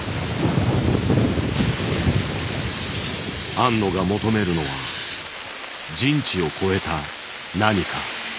庵野が求めるのは人知を超えた何か。